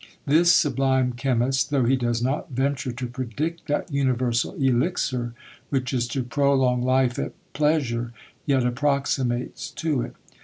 This sublime chemist, though he does not venture to predict that universal elixir, which is to prolong life at pleasure, yet approximates to it.